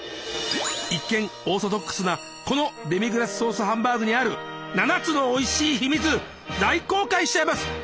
一見オーソドックスなこのデミグラスソースハンバーグにある７つのおいしい秘密大公開しちゃいます！